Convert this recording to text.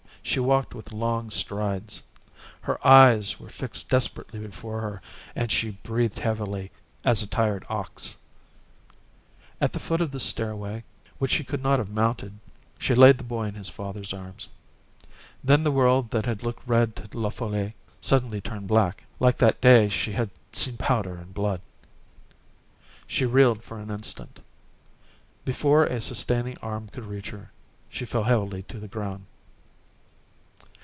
She walked with long strides. Her eyes were fixed desperately before her, and she breathed heavily, as a tired ox. At the foot of the stairway, which she could not have mounted, she laid the boy in his father's arms. Then the world that had looked red to La Folle suddenly turned black,—like that day she had seen powder and blood. She reeled for an instant. Before a sustaining arm could reach her, she fell heavily to the ground.